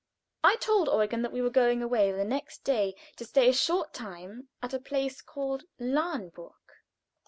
I told Eugen that we were going away the next day to stay a short time at a place called Lahnburg.